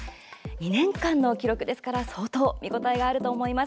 ２年間の記録ですから相当、見応えがあると思います。